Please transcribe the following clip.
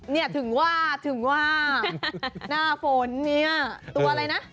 เนี่ยถึงว่าถึงว่าหน้าฝนเนี่ยตัวอะไรนะ